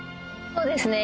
そうですね